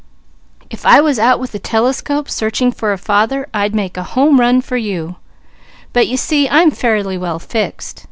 "If I was out with a telescope searching for a father, I'd make a home run for you; but you see I'm fairly well fixed.